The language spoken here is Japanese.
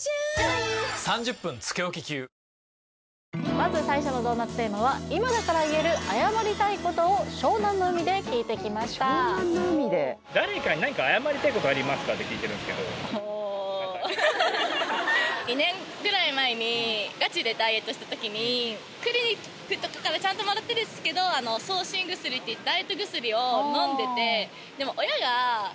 まず最初のドーナツテーマは今だから言える謝りたいことを湘南の海で聞いてきました湘南の海で誰かに何か謝りたいことありますかって聞いてるんですけどお痩身薬ってダイエット薬を飲んでてでもそういう薬厳しいんでって言ってるんですけど正社員ではないです